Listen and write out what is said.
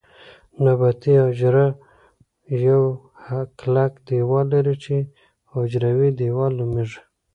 نباتي حجره یو کلک دیوال لري چې حجروي دیوال نومیږي